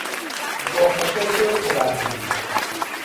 دۆخەکە زۆر خراپ بوو.